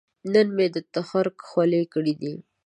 نن مې تخرګ خولې کړې دي